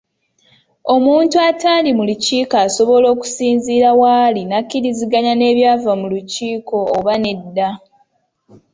Omutnu ataali mu lukiiko asobola okusinziira wali nakkiriziganya n'ebyava mu lukiiko oba nedda.